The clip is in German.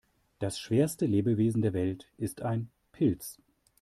Das schwerste Lebewesen der Welt ist ein Pilz.